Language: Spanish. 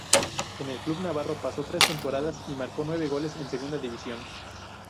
En el club navarro pasó tres temporadas y marcó nueve goles en Segunda División.